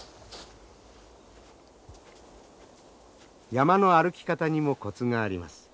山の歩き方にもコツがあります。